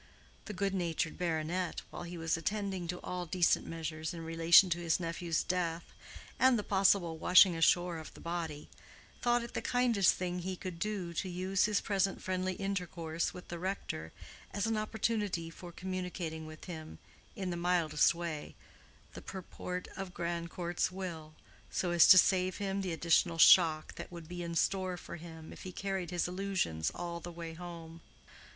The good natured baronet, while he was attending to all decent measures in relation to his nephew's death, and the possible washing ashore of the body, thought it the kindest thing he could do to use his present friendly intercourse with the rector as an opportunity for communicating with him, in the mildest way, the purport of Grandcourt's will, so as to save him the additional shock that would be in store for him if he carried his illusions all the way home.